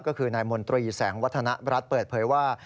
ก็คือนายมนตรีแสงวัฒนรัฐเปิดเผยว่า